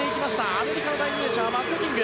アメリカの第２泳者はマット・キング。